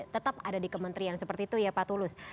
tetap ada di kementerian seperti itu ya pak tulus